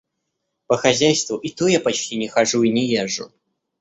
По хозяйству — и то я почти не хожу и не езжу.